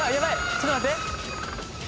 ちょっと待って。